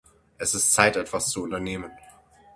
Es ist Zeit, etwas zu unternehmen.